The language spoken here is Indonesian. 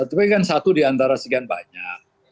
tapi kan satu diantara sekian banyak